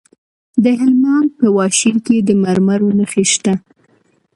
د هلمند په واشیر کې د مرمرو نښې شته.